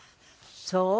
そう。